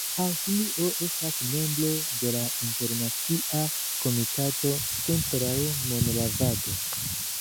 Aŭstrio estas membro de la Internacia Komitato kontraŭ Monlavado.